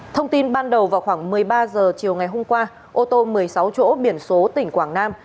thông tin ban đầu vào khoảng một mươi ba h chiều ngày hôm qua ô tô một mươi sáu chỗ biển số tỉnh quảng nam